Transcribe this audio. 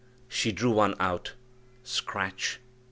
She drew one out "scratch!"